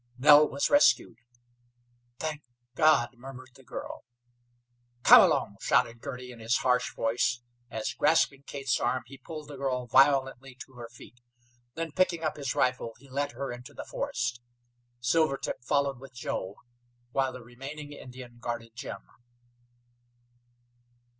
"Nell was rescued." "Thank God!" murmured the girl. "Come along," shouted Girty, in his harsh voice, as, grasping Kate's arm, he pulled the girl violently to her feet. Then, picking up his rifle, he led her into the forest. Silvertip followed with Joe, while the remaining Indian guarded Jim.